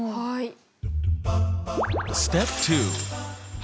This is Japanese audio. はい。